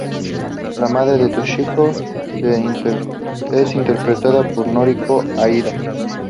La madre de Toshiko es interpretada por Noriko Aida.